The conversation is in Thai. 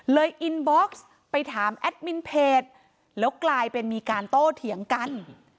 อินบ็อกซ์ไปถามแอดมินเพจแล้วกลายเป็นมีการโต้เถียงกัน